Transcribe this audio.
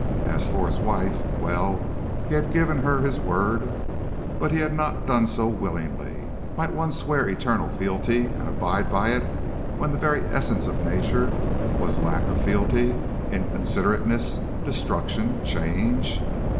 As for his wife well, he had given her his word, but he had not done so willingly. Might one swear eternal fealty and abide by it when the very essence of nature was lack of fealty, inconsiderateness, destruction, change?